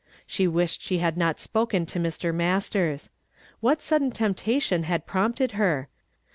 She wished she had not spoken to Mr. Masters. What sudden temptation hud prompted her?